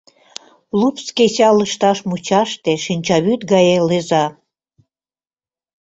Лупс кеча лышташ мучаште, шинчавӱд гае лӧза…